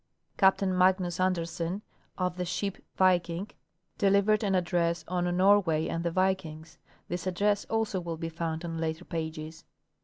Captain Magnus Andersen, of the ship VlJcing, delivered an address on " Norway and the Vikings." This address also Avill be found on later pages.